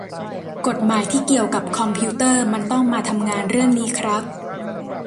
กฎหมายที่เกี่ยวกับคอมพิวเตอร์มันต้องมาทำงานเรื่องนี้ครับ